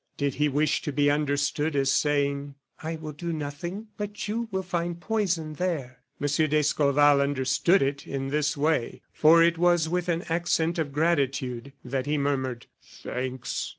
Did he wish to be understood as saying: "I will do nothing; but you will find a poison there." M. d'Escorval understood it in this way, for it was with an accent of gratitude that he murmured: "Thanks!"